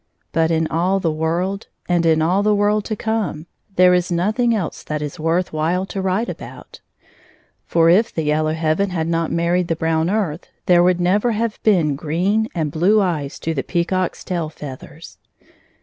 But in all the world, and in all the world to come, there is nothing else that is worth while to write about; for if the yellow heaven had not married the brown earth there would never have been green and blue eyes to the peacock's tall feathers.